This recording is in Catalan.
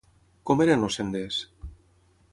Com eren els senders?